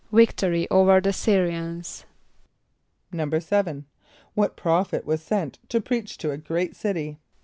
=Victory over the S[)y]r´[)i] an[s+].= =7.= What prophet was sent to preach to a great city?